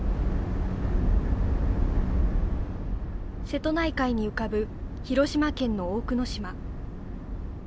瀬戸内海に浮かぶ広島県の大久野島。